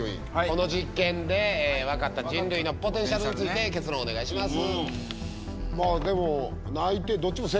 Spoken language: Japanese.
この実験で分かった人類のポテンシャルについて結論お願いします。